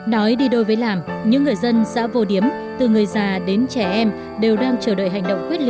nói đi đôi với làm những người dân xã vô điếm từ người già đến trẻ em đều đang chờ đợi hành động quyết liệt